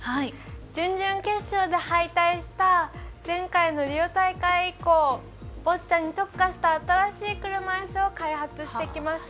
準々決勝で敗退した前回のリオ大会以降ボッチャに特化した新しい車いすを開発してきました。